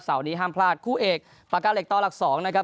เสาร์นี้ห้ามพลาดคู่เอกปกอัตล์เล็กต่อลักษ์๒นะครับ